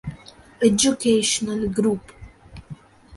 Educational Group.